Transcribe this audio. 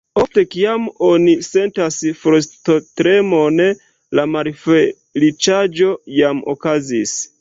Ofte, kiam oni sentas frostotremon, la malfeliĉaĵo jam okazis.